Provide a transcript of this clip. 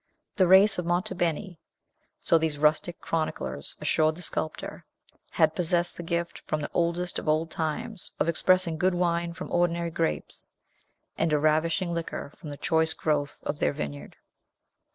The race of Monte Beni so these rustic chroniclers assured the sculptor had possessed the gift from the oldest of old times of expressing good wine from ordinary grapes, and a ravishing liquor from the choice growth of their vineyard.